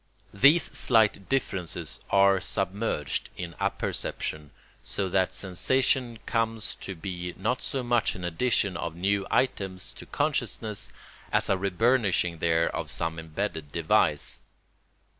These slight differences are submerged in apperception, so that sensation comes to be not so much an addition of new items to consciousness as a reburnishing there of some imbedded device.